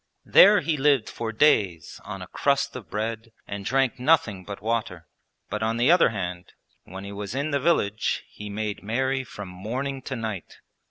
There he lived for days on a crust of bread and drank nothing but water. But on the other hand, when he was in the village he made merry from morning to night.